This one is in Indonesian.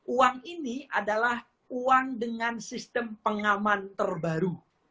uang ini adalah uang dengan sistem pengaman terbaru